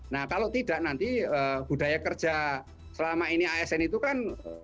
nah kalau tidak nanti budaya kerja selama ini asn itu kan